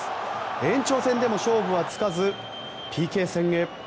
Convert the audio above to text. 延長戦でも勝負はつかずＰＫ戦へ。